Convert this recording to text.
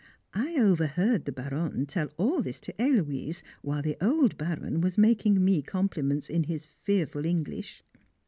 (I overheard the Baronne tell all this to Héloise while the old Baron was making me compliments in his fearful English.)